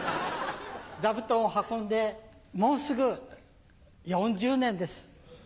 座布団運んでもうすぐ４０年です。